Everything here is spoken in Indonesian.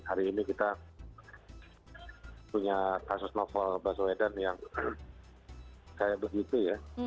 hari ini kita punya kasus novel baswedan yang kayak begitu ya